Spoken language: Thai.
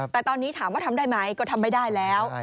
แต่ตอนนี้ถามว่าทำได้ไหมก็ทำไม่ได้แล้ว